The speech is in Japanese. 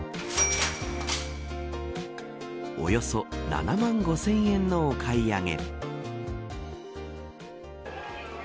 およそ７万５０００円のお買い上げ。